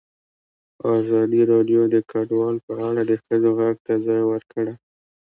ازادي راډیو د کډوال په اړه د ښځو غږ ته ځای ورکړی.